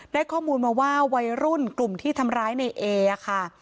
ได้ข้อมูลมาว่าวัยรุ่นกลุ่มที่ทำร้ายในเอค่ะ